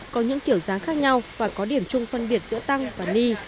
có những kiểu dáng khác nhau và có điểm chung phân biệt giữa tăng và ni